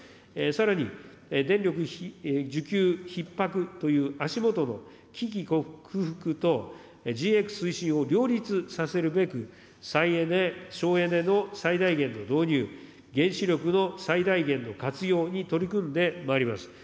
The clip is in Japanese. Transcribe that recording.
さらに、電力需給ひっ迫という足下の危機克服と、ＧＸ推進を両立させるべく、再エネ、省エネの最大限の導入、原子力の最大限の活用に取り組んでまいります。